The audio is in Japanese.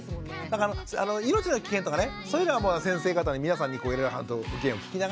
だから命の危険とかねそういうのは先生方の皆さんにいろいろ意見を聞きながら。